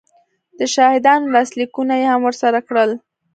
د شاهدانو لاسلیکونه یې هم ورسره کړل